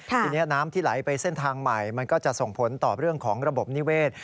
ทีนี้น้ำที่ไหลไปเส้นทางใหม่มันก็จะส่งผลต่อเรื่องของระบบนิเวศ